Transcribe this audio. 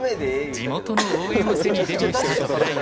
地元の応援を背にデビューした徳田四段。